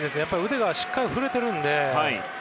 腕がしっかり振れているので。